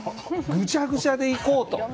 ぐちゃぐちゃでいこうと。